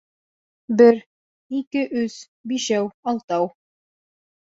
Бер. ике, өс... бишәү, алтау...